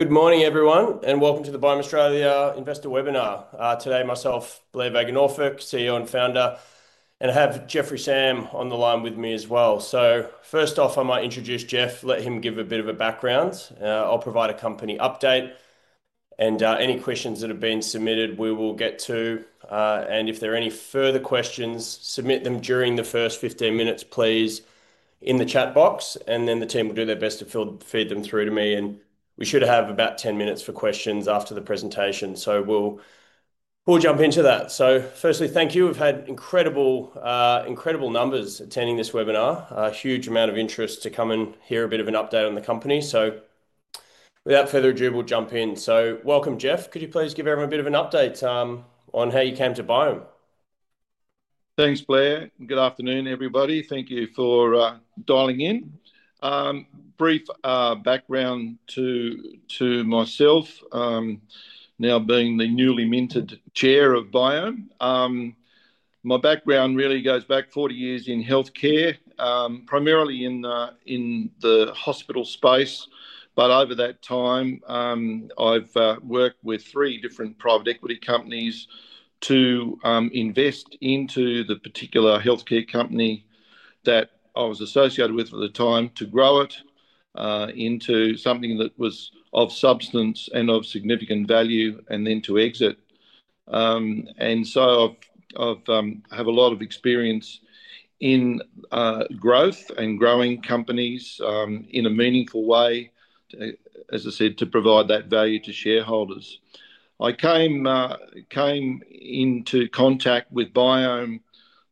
Good morning, everyone, and welcome to the Biome Australia Investor webinar. Today, myself, Blair Vega Norfolk, CEO and founder, and I have Geoffrey Sam on the line with me as well. First off, I might introduce Geoff, let him give a bit of a background. I'll provide a company update, and any questions that have been submitted, we will get to. If there are any further questions, submit them during the first 15 minutes, please, in the chat box, and then the team will do their best to feed them through to me. We should have about 10 minutes for questions after the presentation. We'll jump into that. Firstly, thank you. We've had incredible numbers attending this webinar, a huge amount of interest to come and hear a bit of an update on the company. Without further ado, we'll jump in. Welcome, Geoff. Could you please give everyone a bit of an update on how you came to Biome? Thanks, Blair. Good afternoon, everybody. Thank you for dialing in. Brief background to myself, now being the newly minted Chair of Biome. My background really goes back 40 years in healthcare, primarily in the hospital space. Over that time, I've worked with three different private equity companies to invest into the particular healthcare company that I was associated with at the time, to grow it into something that was of substance and of significant value, and then to exit. I have a lot of experience in growth and growing companies in a meaningful way, as I said, to provide that value to shareholders. I came into contact with Biome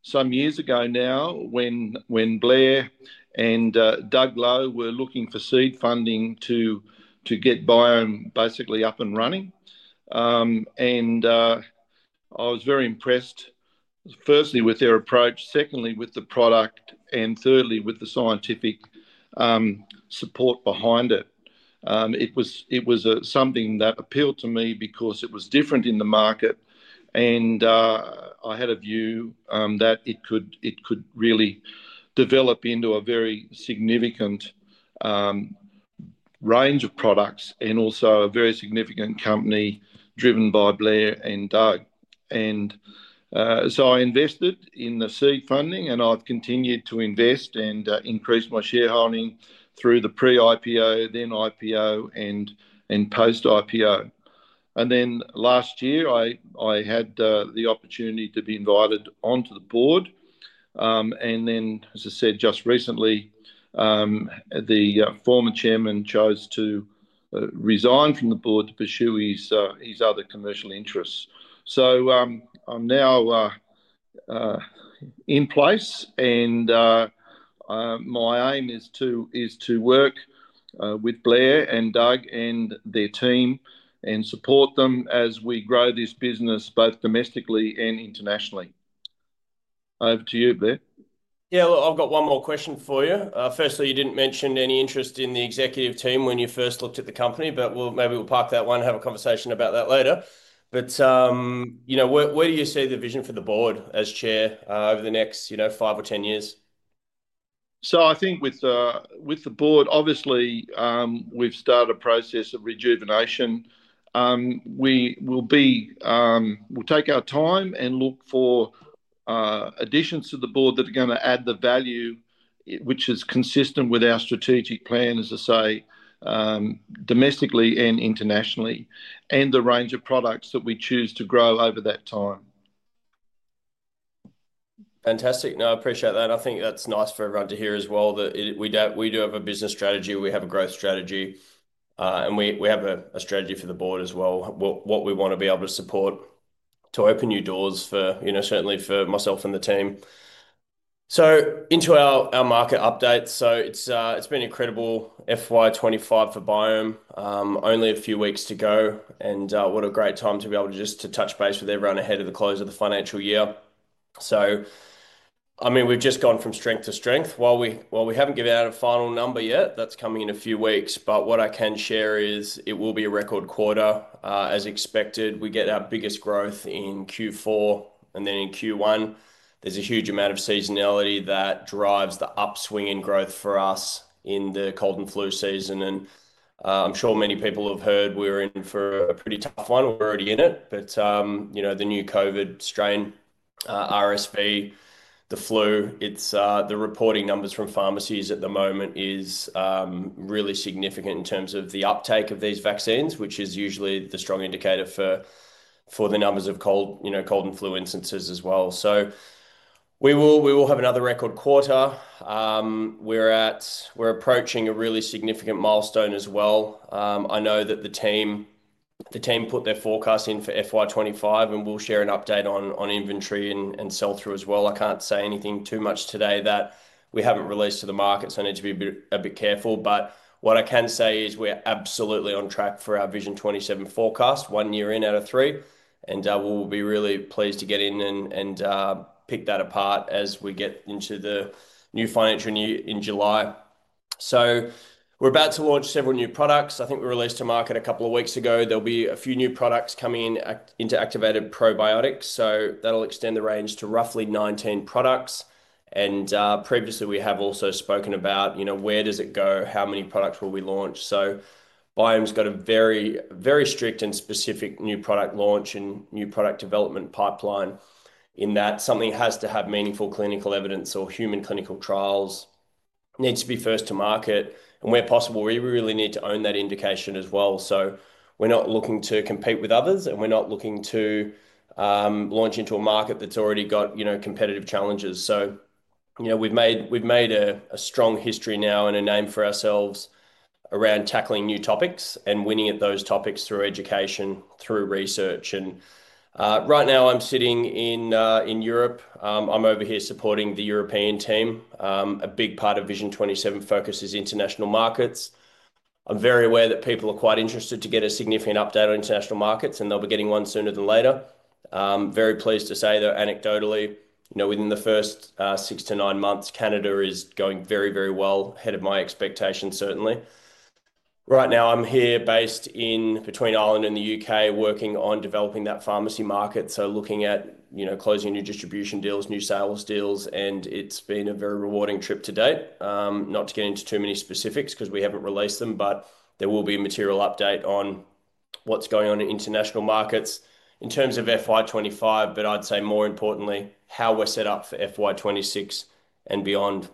some years ago now when Blair and Doug Lowe were looking for seed funding to get Biome basically up and running. I was very impressed, firstly, with their approach, secondly, with the product, and thirdly, with the scientific support behind it. It was something that appealed to me because it was different in the market, and I had a view that it could really develop into a very significant range of products and also a very significant company driven by Blair and Doug. I invested in the seed funding, and I have continued to invest and increase my shareholding through the pre-IPO, then IPO, and post-IPO. Last year, I had the opportunity to be invited onto the board. As I said, just recently, the former chairman chose to resign from the board to pursue his other commercial interests. I'm now in place, and my aim is to work with Blair and Doug and their team and support them as we grow this business both domestically and internationally. Over to you, Blair. Yeah, I've got one more question for you. Firstly, you didn't mention any interest in the executive team when you first looked at the company, but maybe we'll park that one and have a conversation about that later. Where do you see the vision for the board as Chair over the next 5 or 10 years? I think with the board, obviously, we've started a process of rejuvenation. We'll take our time and look for additions to the board that are going to add the value, which is consistent with our strategic plan, as I say, domestically and internationally, and the range of products that we choose to grow over that time. Fantastic. No, I appreciate that. I think that's nice for everyone to hear as well that we do have a business strategy, we have a growth strategy, and we have a strategy for the board as well, what we want to be able to support to open new doors, certainly for myself and the team. Into our market updates. It's been incredible. FY25 for Biome, only a few weeks to go, and what a great time to be able to just touch base with everyone ahead of the close of the financial year. I mean, we've just gone from strength to strength. While we haven't given out a final number yet, that's coming in a few weeks. What I can share is it will be a record quarter, as expected. We get our biggest growth in Q4, and then in Q1, there's a huge amount of seasonality that drives the upswing in growth for us in the cold and flu season. I'm sure many people have heard we're in for a pretty tough one. We're already in it, but the new COVID strain, RSV, the flu, the reporting numbers from pharmacies at the moment is really significant in terms of the uptake of these vaccines, which is usually the strong indicator for the numbers of cold and flu instances as well. We will have another record quarter. We're approaching a really significant milestone as well. I know that the team put their forecast in for FY25, and we'll share an update on inventory and sell-through as well. I can't say anything too much today that we haven't released to the market, so I need to be a bit careful. What I can say is we're absolutely on track for our Vision 27 forecast, one year in out of three. We'll be really pleased to get in and pick that apart as we get into the new financial year in July. We're about to launch several new products. I think we released to market a couple of weeks ago. There'll be a few new products coming into Activated Probiotics. That'll extend the range to roughly 19 products. Previously, we have also spoken about where does it go, how many products will we launch. Biome's got a very strict and specific new product launch and new product development pipeline in that something has to have meaningful clinical evidence or human clinical trials, needs to be first to market. Where possible, we really need to own that indication as well. We're not looking to compete with others, and we're not looking to launch into a market that's already got competitive challenges. We've made a strong history now and a name for ourselves around tackling new topics and winning at those topics through education, through research. Right now, I'm sitting in Europe. I'm over here supporting the European team. A big part of Vision 27 focuses international markets. I'm very aware that people are quite interested to get a significant update on international markets, and they'll be getting one sooner than later. Very pleased to say, though, anecdotally, within the first six to nine months, Canada is going very, very well, ahead of my expectations, certainly. Right now, I'm here based between Ireland and the U.K., working on developing that pharmacy market, looking at closing new distribution deals, new sales deals. It has been a very rewarding trip to date. Not to get into too many specifics because we haven't released them, but there will be a material update on what's going on in international markets in terms of FY25. I'd say more importantly, how we're set up for FY26 and beyond.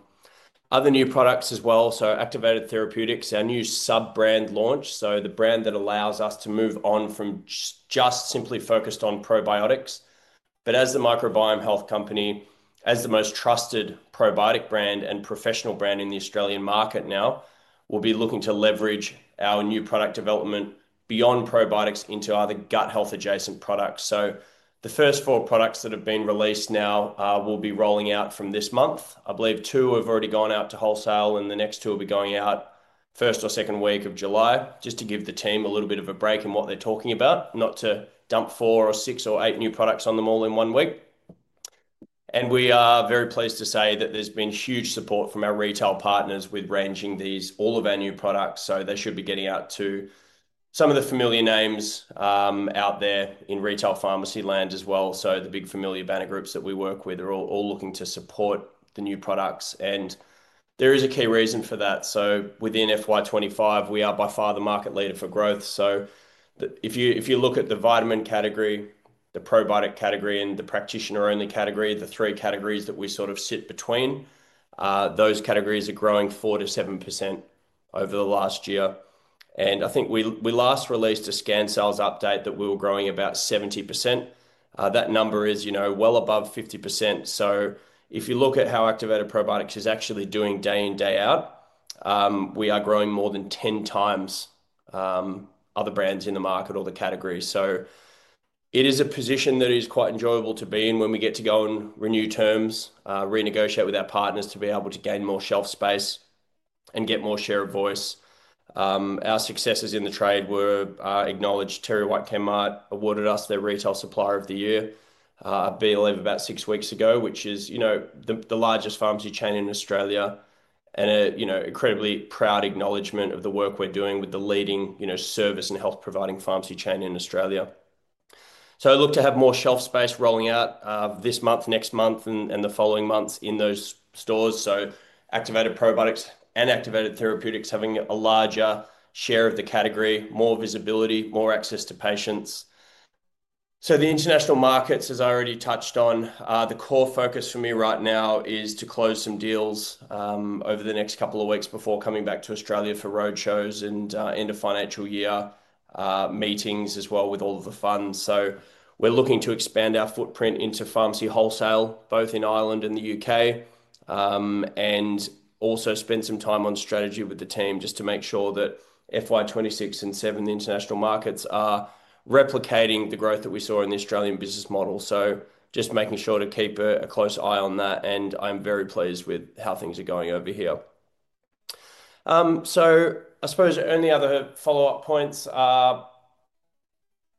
Other new products as well. Activated Therapeutics, our new sub-brand launch, is the brand that allows us to move on from just simply focused on probiotics. As the Microbiome Health company, as the most trusted probiotic brand and professional brand in the Australian market now, we'll be looking to leverage our new product development beyond probiotics into other gut health-adjacent products. The first four products that have been released now will be rolling out from this month. I believe two have already gone out to wholesale, and the next two will be going out first or second week of July, just to give the team a little bit of a break in what they're talking about, not to dump four or six or eight new products on them all in one week. We are very pleased to say that there's been huge support from our retail partners with ranging these, all of our new products. They should be getting out to some of the familiar names out there in retail pharmacy land as well. The big familiar banner groups that we work with are all looking to support the new products. There is a key reason for that. Within FY25, we are by far the market leader for growth. If you look at the vitamin category, the probiotic category, and the practitioner-only category, the three categories that we sort of sit between, those categories are growing 4-7% over the last year. I think we last released a scan cells update that we were growing about 70%. That number is well above 50%. If you look at how Activated Probiotics is actually doing day in, day out, we are growing more than 10 times other brands in the market or the category. It is a position that is quite enjoyable to be in when we get to go and renew terms, renegotiate with our partners to be able to gain more shelf space and get more share of voice. Our successes in the trade were acknowledged. TerryWhite Chemmart awarded us their retail supplier of the year, I believe about six weeks ago, which is the largest pharmacy chain in Australia, and an incredibly proud acknowledgement of the work we're doing with the leading service and health-providing pharmacy chain in Australia. I look to have more shelf space rolling out this month, next month, and the following months in those stores. Activated Probiotics and Activated Therapeutics having a larger share of the category, more visibility, more access to patients. The international markets, as I already touched on, the core focus for me right now is to close some deals over the next couple of weeks before coming back to Australia for roadshows and end-of-financial-year meetings as well with all of the funds. We are looking to expand our footprint into pharmacy wholesale, both in Ireland and the U.K., and also spend some time on strategy with the team just to make sure that FY26 and seven, the international markets, are replicating the growth that we saw in the Australian business model. Just making sure to keep a close eye on that. I am very pleased with how things are going over here. I suppose only other follow-up points are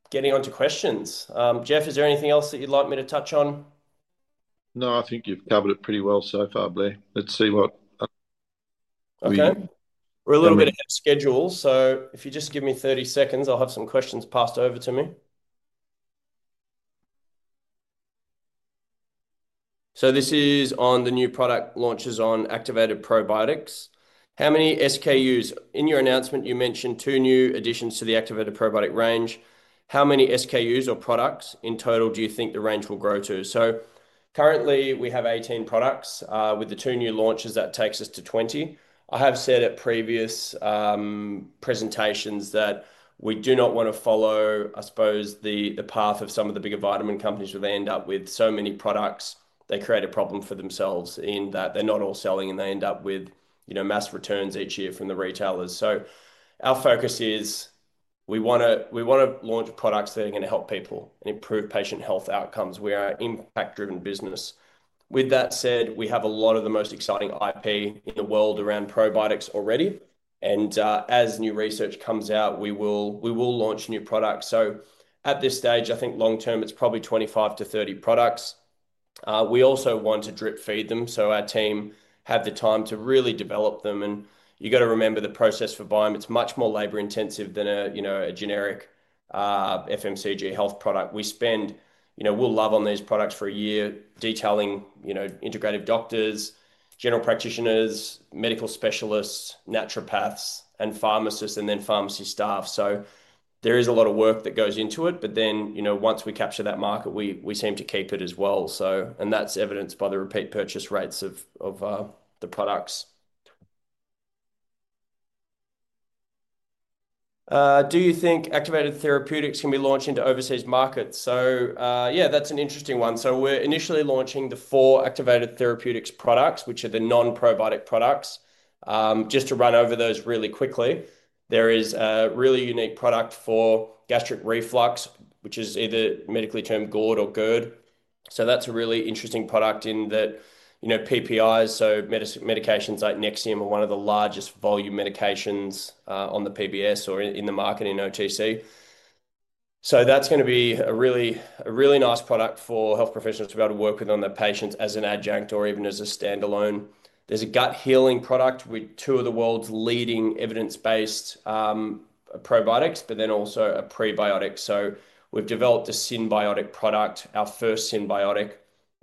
getting onto questions. Geoff, is there anything else that you would like me to touch on? No, I think you've covered it pretty well so far, Blair. Let's see what we. Okay. We're a little bit ahead of schedule. If you just give me 30 seconds, I'll have some questions passed over to me. This is on the new product launches on Activated Probiotics. How many SKUs? In your announcement, you mentioned two new additions to the Activated Probiotics range. How many SKUs or products in total do you think the range will grow to? Currently, we have 18 products. With the two new launches, that takes us to 20. I have said at previous presentations that we do not want to follow, I suppose, the path of some of the bigger vitamin companies where they end up with so many products. They create a problem for themselves in that they're not all selling, and they end up with mass returns each year from the retailers. Our focus is we want to launch products that are going to help people and improve patient health outcomes. We are an impact-driven business. With that said, we have a lot of the most exciting IP in the world around probiotics already. As new research comes out, we will launch new products. At this stage, I think long-term, it's probably 25-30 products. We also want to drip-feed them so our team have the time to really develop them. You have to remember the process for Biome. It's much more labor-intensive than a generic FMCG health product. We'll love on these products for a year, detailing integrative doctors, general practitioners, medical specialists, naturopaths, and pharmacists, and then pharmacy staff. There is a lot of work that goes into it. Once we capture that market, we seem to keep it as well. That's evidenced by the repeat purchase rates of the products. Do you think Activated Therapeutics can be launched into overseas markets? Yeah, that's an interesting one. We're initially launching the four Activated Therapeutics products, which are the non-probiotic products. Just to run over those really quickly, there is a really unique product for gastric reflux, which is either medically termed GORD or GERD. That's a really interesting product in that PPIs, so medications like Nexium, are one of the largest volume medications on the PBS or in the market in OTC. That's going to be a really nice product for health professionals to be able to work with on their patients as an adjunct or even as a standalone. There's a gut healing product with two of the world's leading evidence-based probiotics, but then also a prebiotic. We have developed a synbiotic product, our first synbiotic.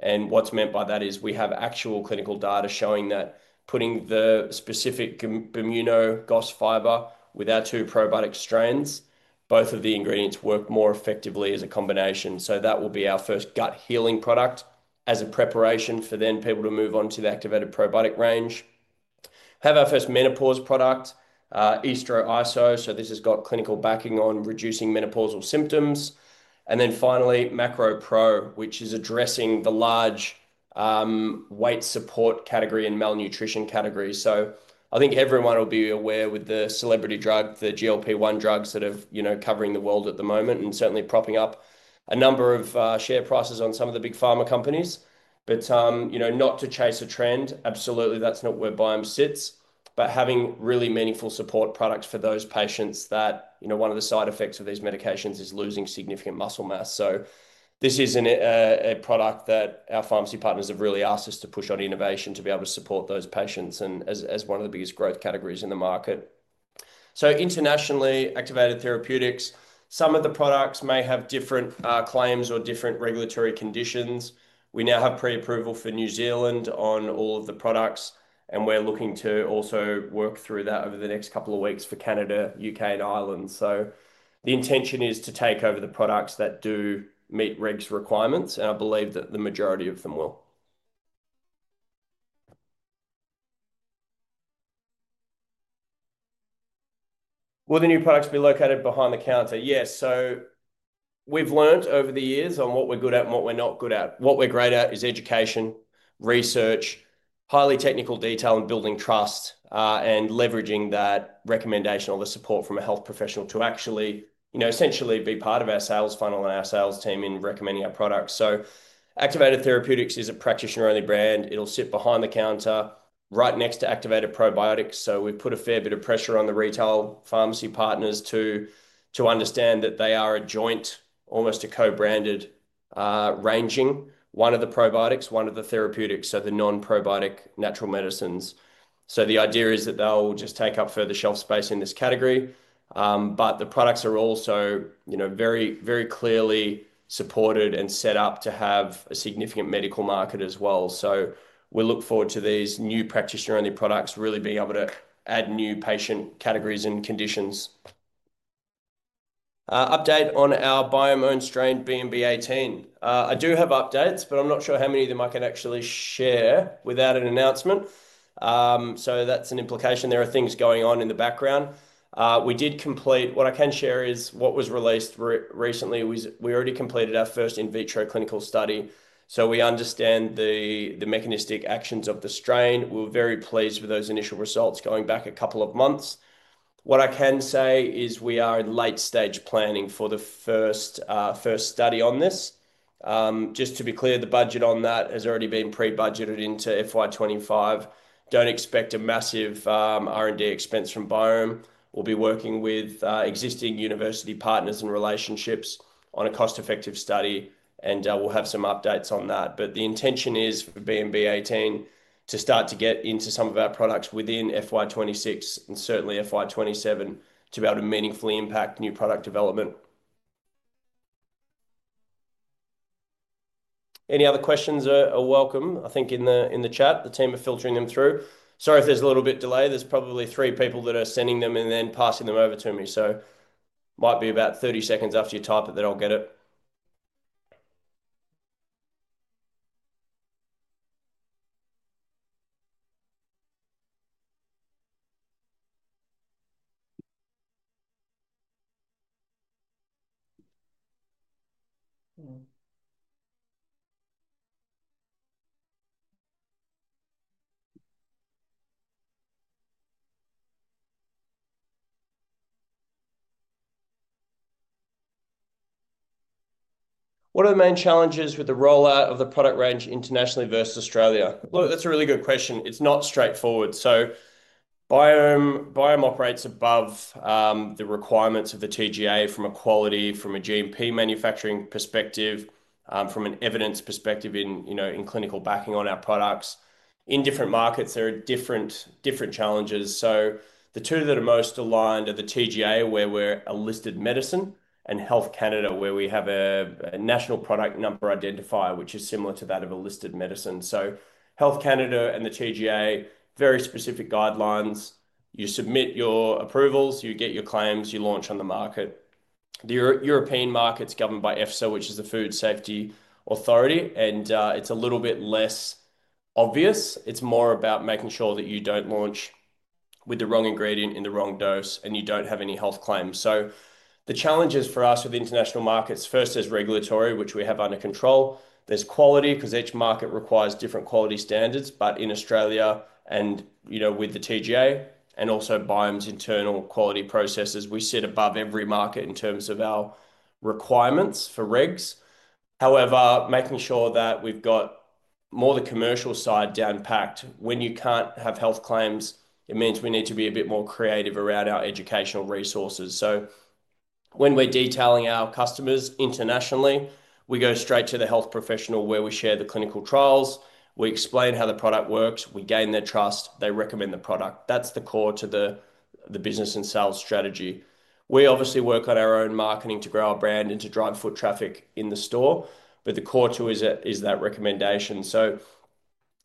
What is meant by that is we have actual clinical data showing that putting the specific Bimuno GOS fiber with our two probiotic strains, both of the ingredients work more effectively as a combination. That will be our first gut healing product as a preparation for people to move on to the Activated Probiotics range. We have our first menopause product, Estro-ISO. This has clinical backing on reducing menopausal symptoms. Finally, Macro-Pro, which is addressing the large weight support category and malnutrition category. I think everyone will be aware with the celebrity drug, the GLP-1 drug, sort of covering the world at the moment and certainly propping up a number of share prices on some of the big pharma companies. Not to chase a trend, absolutely, that's not where Biome sits, but having really meaningful support products for those patients that one of the side effects of these medications is losing significant muscle mass. This is a product that our pharmacy partners have really asked us to push on innovation to be able to support those patients as one of the biggest growth categories in the market. Internationally, Activated Therapeutics, some of the products may have different claims or different regulatory conditions. We now have pre-approval for New Zealand on all of the products, and we're looking to also work through that over the next couple of weeks for Canada, U.K., and Ireland. The intention is to take over the products that do meet REGS requirements, and I believe that the majority of them will. Will the new products be located behind the counter? Yes. We've learned over the years on what we're good at and what we're not good at. What we're great at is education, research, highly technical detail in building trust, and leveraging that recommendation or the support from a health professional to actually essentially be part of our sales funnel and our sales team in recommending our products. Activated Therapeutics is a practitioner-only brand. It'll sit behind the counter right next to Activated Probiotics. We've put a fair bit of pressure on the retail pharmacy partners to understand that they are a joint, almost a co-branded ranging, one of the probiotics, one of the therapeutics, so the non-probiotic natural medicines. The idea is that they'll just take up further shelf space in this category. The products are also very clearly supported and set up to have a significant medical market as well. We look forward to these new practitioner-only products really being able to add new patient categories and conditions. Update on our Biome-owned strain, BMB18. I do have updates, but I'm not sure how many of them I can actually share without an announcement. That's an implication. There are things going on in the background. What I can share is what was released recently. We already completed our first in vitro clinical study. We understand the mechanistic actions of the strain. We're very pleased with those initial results going back a couple of months. What I can say is we are in late-stage planning for the first study on this. Just to be clear, the budget on that has already been pre-budgeted into FY25. Don't expect a massive R&D expense from Biome. We'll be working with existing university partners and relationships on a cost-effective study, and we'll have some updates on that. The intention is for BMB18 to start to get into some of our products within FY26 and certainly FY27 to be able to meaningfully impact new product development. Any other questions are welcome. I think in the chat, the team are filtering them through. Sorry if there's a little bit of delay. There are probably three people that are sending them and then passing them over to me. It might be about 30 seconds after you type it that I'll get it. What are the main challenges with the rollout of the product range internationally versus Australia? Look, that's a really good question. It's not straightforward. Biome operates above the requirements of the TGA from a quality, from a GMP manufacturing perspective, from an evidence perspective in clinical backing on our products. In different markets, there are different challenges. The two that are most aligned are the TGA, where we're a listed medicine, and Health Canada, where we have a national product number identifier, which is similar to that of a listed medicine. Health Canada and the TGA, very specific guidelines. You submit your approvals, you get your claims, you launch on the market. The European market's governed by EFSA, which is the Food Safety Authority. It's a little bit less obvious. It's more about making sure that you don't launch with the wrong ingredient in the wrong dose and you don't have any health claims. The challenges for us with international markets, first, there's regulatory, which we have under control. There's quality because each market requires different quality standards. In Australia and with the TGA and also Biome's internal quality processes, we sit above every market in terms of our requirements for REGS. However, making sure that we've got more of the commercial side downpacked. When you can't have health claims, it means we need to be a bit more creative around our educational resources. When we're detailing our customers internationally, we go straight to the health professional where we share the clinical trials. We explain how the product works. We gain their trust. They recommend the product. That's the core to the business and sales strategy. We obviously work on our own marketing to grow our brand and to drive foot traffic in the store. The core to it is that recommendation.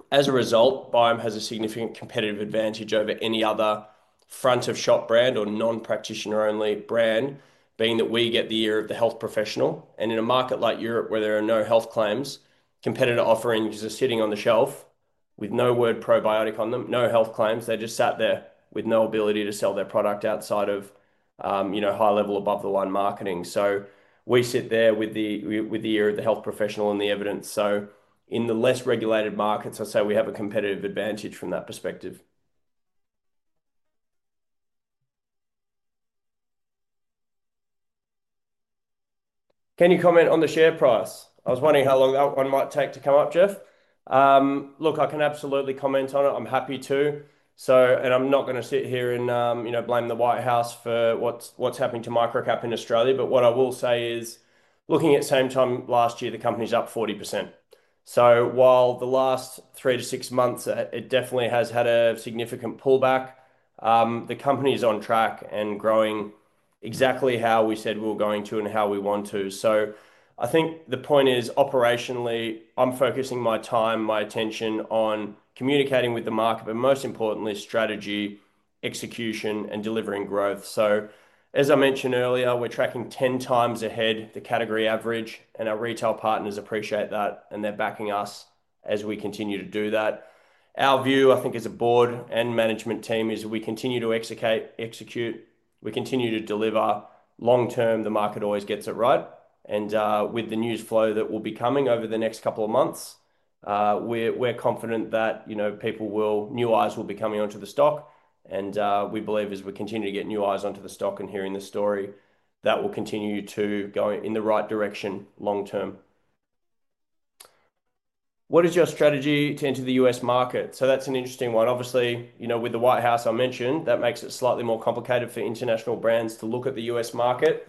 As a result, Biome has a significant competitive advantage over any other front-of-shop brand or non-practitioner-only brand, being that we get the ear of the health professional. In a market like Europe, where there are no health claims, competitor offerings are sitting on the shelf with no word probiotic on them, no health claims. They are just sat there with no ability to sell their product outside of high-level above-the-line marketing. We sit there with the ear of the health professional and the evidence. In the less regulated markets, I would say we have a competitive advantage from that perspective. Can you comment on the share price? I was wondering how long that one might take to come up, Geoff. Look, I can absolutely comment on it. I am happy to. I'm not going to sit here and blame the White House for what's happening to Microcap in Australia. What I will say is, looking at same time last year, the company's up 40%. While the last three to six months, it definitely has had a significant pullback, the company is on track and growing exactly how we said we were going to and how we want to. I think the point is, operationally, I'm focusing my time, my attention on communicating with the market, but most importantly, strategy, execution, and delivering growth. As I mentioned earlier, we're tracking 10 times ahead the category average, and our retail partners appreciate that, and they're backing us as we continue to do that. Our view, I think, as a board and management team is we continue to execute. We continue to deliver. Long-term, the market always gets it right. With the news flow that will be coming over the next couple of months, we're confident that new eyes will be coming onto the stock. We believe as we continue to get new eyes onto the stock and hearing the story, that will continue to go in the right direction long-term. What is your strategy to enter the US market? That's an interesting one. Obviously, with the White House I mentioned, that makes it slightly more complicated for international brands to look at the US market.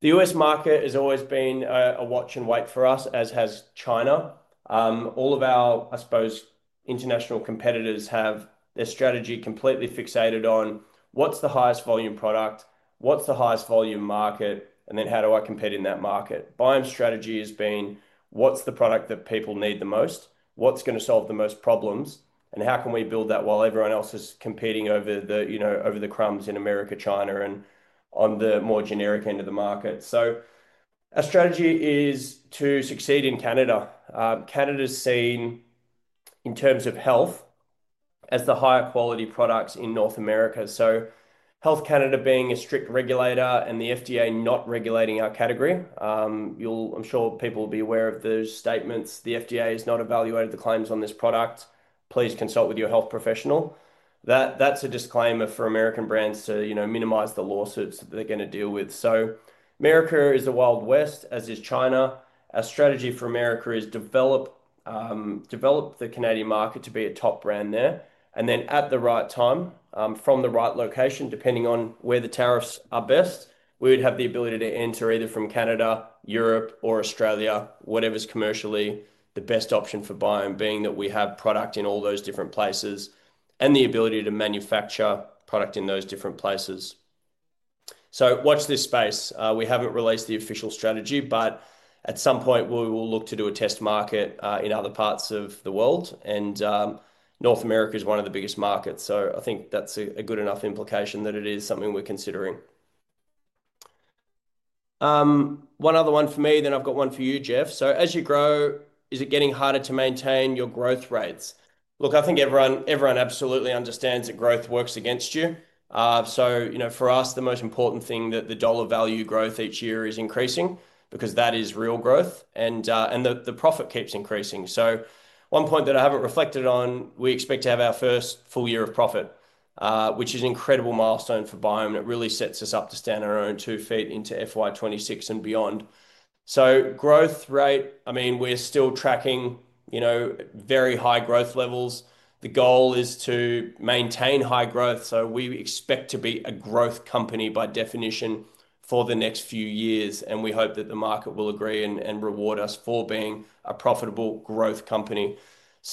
The US market has always been a watch and wait for us, as has China. All of our, I suppose, international competitors have their strategy completely fixated on what's the highest volume product, what's the highest volume market, and then how do I compete in that market? Biome's strategy has been, what's the product that people need the most, what's going to solve the most problems, and how can we build that while everyone else is competing over the crumbs in America, China, and on the more generic end of the market? Our strategy is to succeed in Canada. Canada is seen, in terms of health, as the higher quality products in North America. Health Canada being a strict regulator and the FDA not regulating our category, I'm sure people will be aware of those statements. The FDA has not evaluated the claims on this product. Please consult with your health professional. That's a disclaimer for American brands to minimize the lawsuits that they're going to deal with. America is the Wild West, as is China. Our strategy for America is to develop the Canadian market to be a top brand there. At the right time, from the right location, depending on where the tariffs are best, we would have the ability to enter either from Canada, Europe, or Australia, whatever is commercially the best option for Biome, being that we have product in all those different places and the ability to manufacture product in those different places. Watch this space. We have not released the official strategy, but at some point, we will look to do a test market in other parts of the world. North America is one of the biggest markets. I think that is a good enough implication that it is something we are considering. One other one for me, then I have got one for you, Geoff. As you grow, is it getting harder to maintain your growth rates? Look, I think everyone absolutely understands that growth works against you. For us, the most important thing is that the dollar value growth each year is increasing because that is real growth, and the profit keeps increasing. One point that I have not reflected on, we expect to have our first full year of profit, which is an incredible milestone for Biome. It really sets us up to stand on our own two feet into FY2026 and beyond. Growth rate, I mean, we are still tracking very high growth levels. The goal is to maintain high growth. We expect to be a growth company by definition for the next few years. We hope that the market will agree and reward us for being a profitable growth company.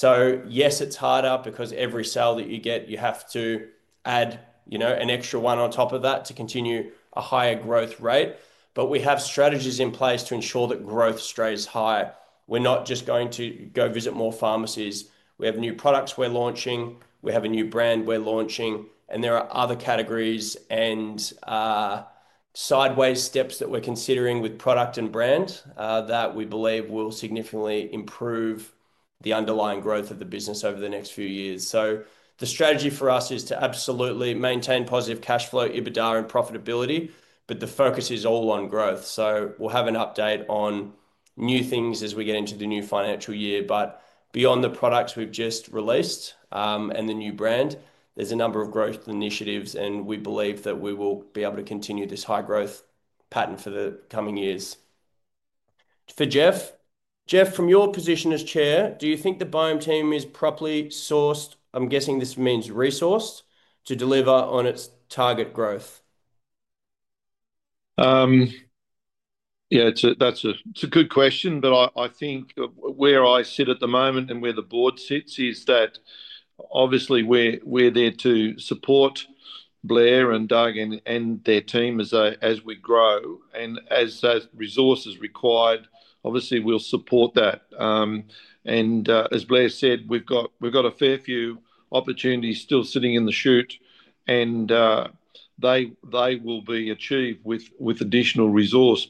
Yes, it is harder because every sale that you get, you have to add an extra one on top of that to continue a higher growth rate. We have strategies in place to ensure that growth stays high. We're not just going to go visit more pharmacies. We have new products we're launching. We have a new brand we're launching. There are other categories and sideways steps that we're considering with product and brand that we believe will significantly improve the underlying growth of the business over the next few years. The strategy for us is to absolutely maintain positive cash flow, EBITDA, and profitability, but the focus is all on growth. We'll have an update on new things as we get into the new financial year. Beyond the products we've just released and the new brand, there's a number of growth initiatives, and we believe that we will be able to continue this high growth pattern for the coming years. For Geoff, from your position as Chair, do you think the Biome team is properly sourced? I'm guessing this means resourced to deliver on its target growth. Yeah, that's a good question. I think where I sit at the moment and where the board sits is that obviously we're there to support Blair and Doug and their team as we grow. As resource is required, obviously, we'll support that. As Blair said, we've got a fair few opportunities still sitting in the chute, and they will be achieved with additional resource.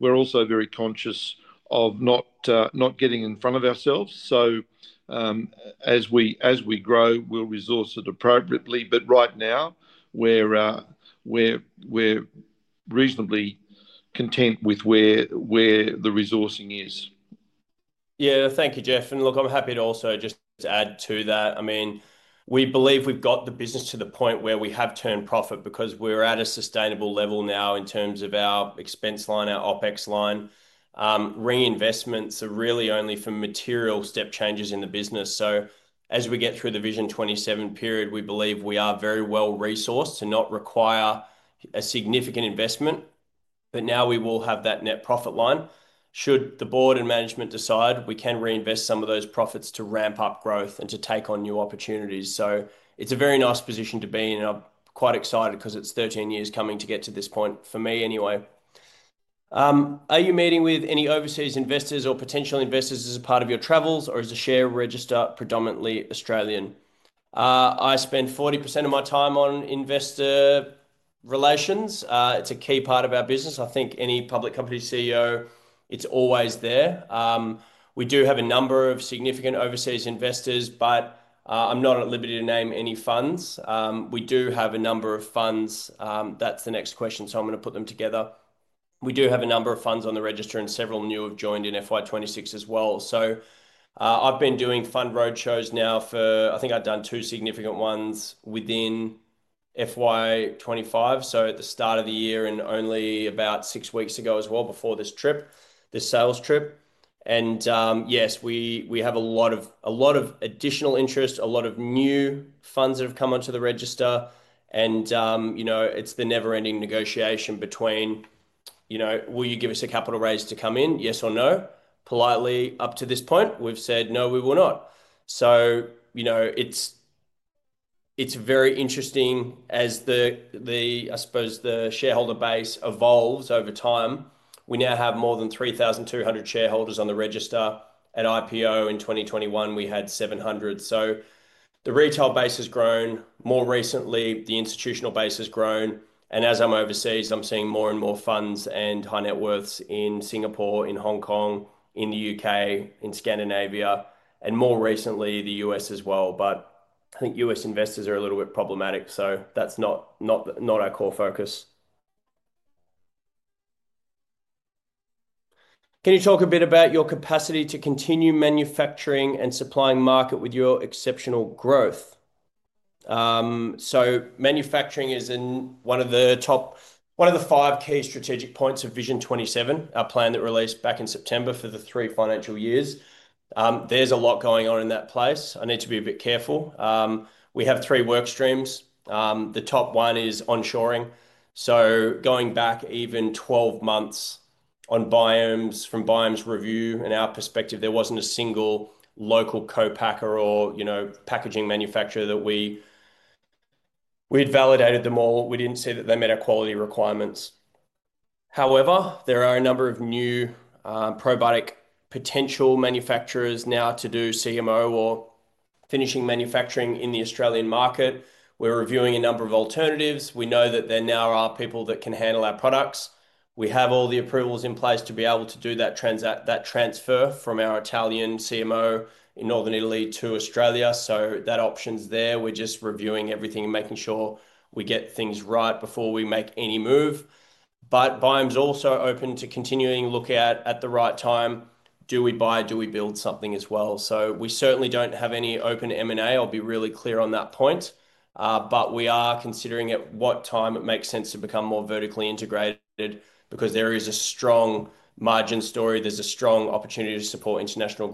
We're also very conscious of not getting in front of ourselves. As we grow, we'll resource it appropriately. Right now, we're reasonably content with where the resourcing is. Yeah, thank you, Geoff. I'm happy to also just add to that. I mean, we believe we've got the business to the point where we have turned profit because we're at a sustainable level now in terms of our expense line, our OpEx line. Reinvestments are really only for material step changes in the business. As we get through the Vision 27 period, we believe we are very well resourced to not require a significant investment. Now we will have that net profit line. Should the board and management decide, we can reinvest some of those profits to ramp up growth and to take on new opportunities. It is a very nice position to be in. I'm quite excited because it's 13 years coming to get to this point for me anyway. Are you meeting with any overseas investors or potential investors as a part of your travels, or is the share register predominantly Australian? I spend 40% of my time on investor relations. It's a key part of our business. I think any public company CEO, it's always there. We do have a number of significant overseas investors, but I'm not at liberty to name any funds. We do have a number of funds. That's the next question. I'm going to put them together. We do have a number of funds on the register, and several new have joined in FY25 as well. I've been doing fund roadshows now for, I think I've done two significant ones within FY25, at the start of the year and only about six weeks ago as well before this trip, the sales trip. Yes, we have a lot of additional interest, a lot of new funds that have come onto the register. It is the never-ending negotiation between, will you give us a capital raise to come in, yes or no? Politely, up to this point, we've said, "No, we will not." It is very interesting as, I suppose, the shareholder base evolves over time. We now have more than 3,200 shareholders on the register. At IPO in 2021, we had 700. The retail base has grown. More recently, the institutional base has grown. As I'm overseas, I'm seeing more and more funds and high net worths in Singapore, in Hong Kong, in the U.K., in Scandinavia, and more recently, the U.S. as well. I think U.S. investors are a little bit problematic. That is not our core focus. Can you talk a bit about your capacity to continue manufacturing and supplying market with your exceptional growth? Manufacturing is one of the top, one of the five key strategic points of Vision 27, our plan that released back in September for the three financial years. There's a lot going on in that place. I need to be a bit careful. We have three work streams. The top one is onshoring. Going back even 12 months on Biome's review, in our perspective, there wasn't a single local co-packer or packaging manufacturer that we'd validated them all. We didn't see that they met our quality requirements. However, there are a number of new probiotic potential manufacturers now to do CMO or finishing manufacturing in the Australian market. We're reviewing a number of alternatives. We know that there now are people that can handle our products. We have all the approvals in place to be able to do that transfer from our Italian CMO in Northern Italy to Australia. That option's there. We're just reviewing everything and making sure we get things right before we make any move. Biome's also open to continuing to look at, at the right time, do we buy, do we build something as well? We certainly do not have any open M&A. I'll be really clear on that point. We are considering at what time it makes sense to become more vertically integrated because there is a strong margin story. There is a strong opportunity to support international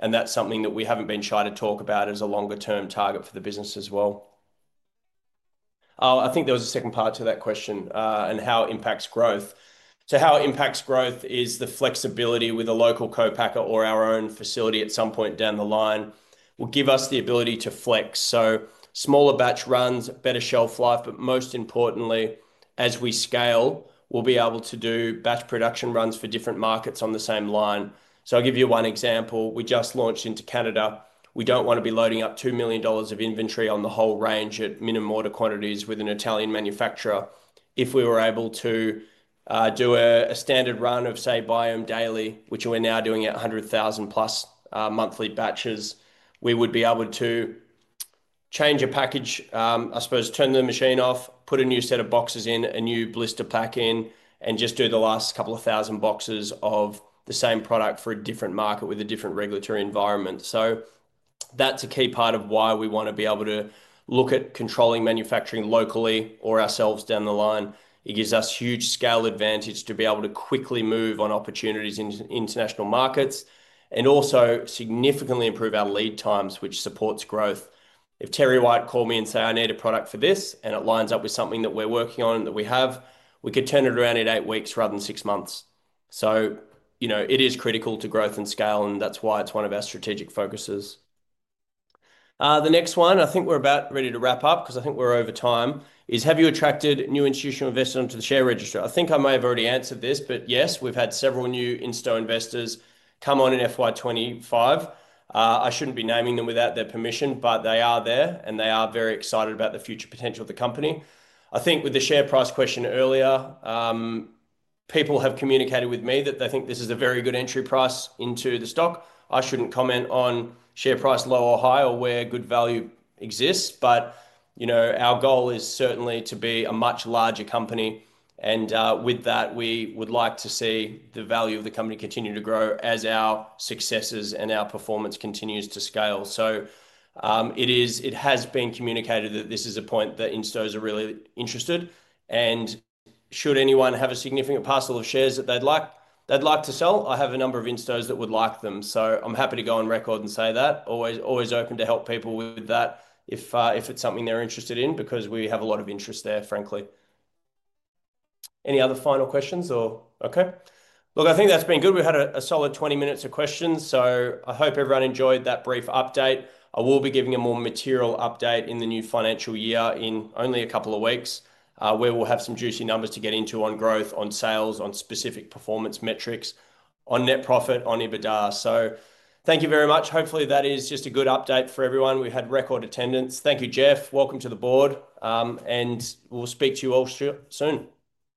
growth. That is something that we have not been shy to talk about as a longer-term target for the business as well. I think there was a second part to that question and how it impacts growth. How it impacts growth is the flexibility with a local co-packer or our own facility at some point down the line will give us the ability to flex. Smaller batch runs, better shelf life. Most importantly, as we scale, we'll be able to do batch production runs for different markets on the same line. I'll give you one example. We just launched into Canada. We don't want to be loading up $2 million of inventory on the whole range at minimum order quantities with an Italian manufacturer. If we were able to do a standard run of, say, Biome Daily, which we're now doing at 100,000 plus monthly batches, we would be able to change a package, I suppose, turn the machine off, put a new set of boxes in, a new blister pack in, and just do the last couple of thousand boxes of the same product for a different market with a different regulatory environment. That is a key part of why we want to be able to look at controlling manufacturing locally or ourselves down the line. It gives us huge scale advantage to be able to quickly move on opportunities in international markets and also significantly improve our lead times, which supports growth. If TerryWhite Chemmart called me and said, "I need a product for this," and it lines up with something that we're working on and that we have, we could turn it around in eight weeks rather than six months. It is critical to growth and scale, and that's why it's one of our strategic focuses. The next one, I think we're about ready to wrap up because I think we're over time, is have you attracted new institutional investors onto the share register? I think I may have already answered this, but yes, we've had several new institutional investors come on in FY25. I shouldn't be naming them without their permission, but they are there, and they are very excited about the future potential of the company. I think with the share price question earlier, people have communicated with me that they think this is a very good entry price into the stock. I should not comment on share price low or high or where good value exists. Our goal is certainly to be a much larger company. With that, we would like to see the value of the company continue to grow as our successes and our performance continues to scale. It has been communicated that this is a point that in-stores are really interested. Should anyone have a significant parcel of shares that they would like to sell, I have a number of in-stores that would like them. I am happy to go on record and say that. Always open to help people with that if it is something they are interested in because we have a lot of interest there, frankly. Any other final questions or okay? Look, I think that's been good. We've had a solid 20 minutes of questions. I hope everyone enjoyed that brief update. I will be giving a more material update in the new financial year in only a couple of weeks, where we'll have some juicy numbers to get into on growth, on sales, on specific performance metrics, on net profit, on EBITDA. Thank you very much. Hopefully, that is just a good update for everyone. We've had record attendance. Thank you, Geoff. Welcome to the board. We'll speak to you all soon.